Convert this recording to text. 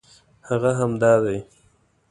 هغه همدا دی.